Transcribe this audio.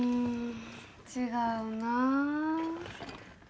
違うなあ